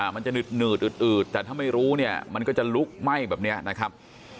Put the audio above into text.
มันจะหนืดอืดแต่ถ้าไม่รู้เนี่ยมันก็จะลุกไหม้แบบนี้นะครับ